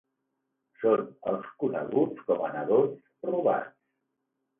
Són els coneguts com a nadons robats.